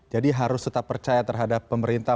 jadi harus tetap percaya terhadap pemerintah